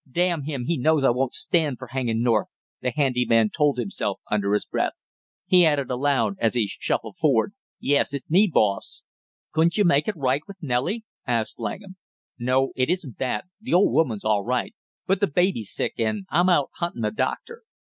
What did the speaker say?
"Damn him, he knows I won't stand for hangin' North!" the handy man told himself under his breath. He added aloud as he shuffled forward, "Yes, it's me, boss!" "Couldn't you make it right with Nellie?" asked Langham. "Oh, it isn't that the old woman's all right but the baby's sick and I'm out huntin' a doctor."